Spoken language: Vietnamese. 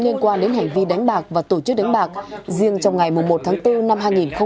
liên quan đến hành vi đánh bạc và tổ chức đánh bạc riêng trong ngày một tháng bốn năm hai nghìn hai mươi